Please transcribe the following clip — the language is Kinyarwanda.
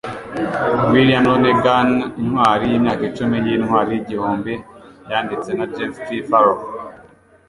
William Lonigan, intwari yimyaka icumi yintwari y’igihumbi yanditswe na James T. Farrell